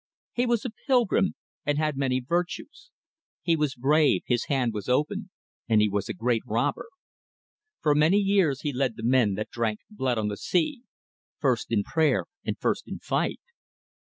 He was a pilgrim, and had many virtues: he was brave, his hand was open, and he was a great robber. For many years he led the men that drank blood on the sea: first in prayer and first in fight!